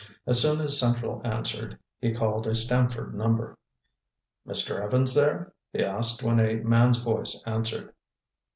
As soon as central answered he called a Stamford number. "Mr. Evans there?" he asked when a man's voice answered.